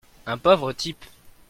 Un pauvre type.